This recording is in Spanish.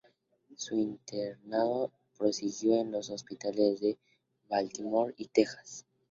Su internado prosiguió en los Hospitales de Baltimore y Texas.